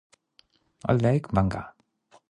I like manga.